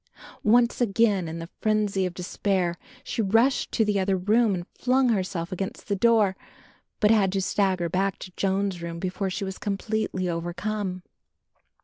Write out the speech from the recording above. Once again in the frenzy of despair she rushed to the other room and flung herself against the door; but had to stagger back to Joan's room before she was completely overcome.